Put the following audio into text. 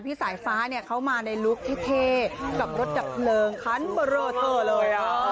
พี่สายฟ้าเข้ามาในลุคที่เท่กับรถจับเรลงขั้นเบอร์เมอร์ส่วนอะไร